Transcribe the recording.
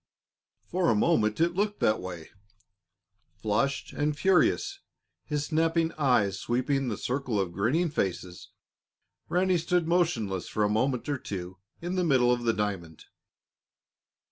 For a moment it looked that way. Flushed and furious, his snapping eyes sweeping the circle of grinning faces, Ranny stood motionless for a moment or two in the middle of the diamond.